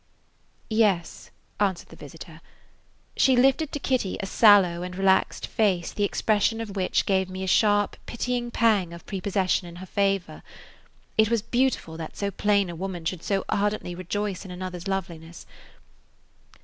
"Yes," answered the visitor. She lifted to Kitty a sallow and relaxed face the expression of which gave me a sharp, pitying pang of prepossession in her favor: it was beautiful that so plain a woman should so ardently rejoice in another's loveliness.